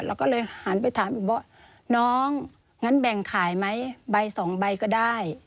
เราก็เลยหันไปถามอีกว่าน้องงั้นแบ่งขายไหมใบสองใบก็ได้